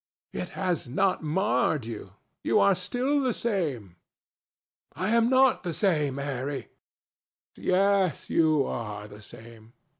It has not marred you. You are still the same." "I am not the same, Harry." "Yes, you are the same.